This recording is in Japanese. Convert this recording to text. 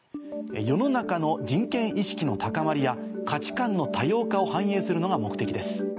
世の中の人権意識の高まりや価値観の多様化を反映するのが目的です。